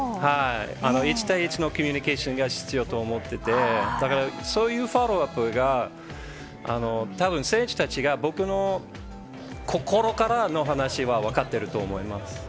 １対１のコミュニケーションが必要と思ってて、だからそういうフォローアップが、たぶん、選手たちが僕の心からの話は分かってると思います。